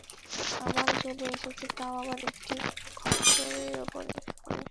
আমান চলে এসেছে তাও আবার একটি খচ্চরের উপরে করে।